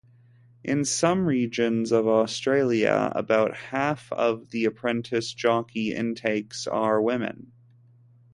In some regions of Australia about half of the apprentice jockey intakes are women.